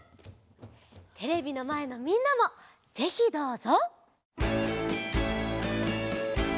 テレビのまえのみんなもぜひどうぞ！